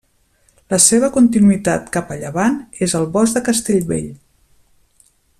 La seva continuïtat cap a llevant és el Bosc de Castellvell.